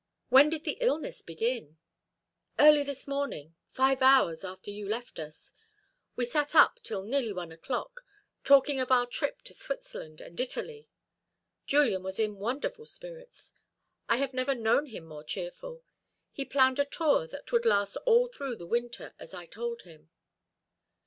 "When did the illness begin?" "Early this morning, five hours after you left us. We sat up till nearly one o'clock, talking of our trip to Switzerland and Italy. Julian was in wonderful spirits. I have never known him more cheerful. He planned a tour that would last all through the winter, as I told him.